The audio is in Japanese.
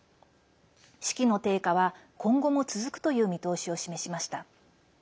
士気の低下は今後も続くという見通しを示しました。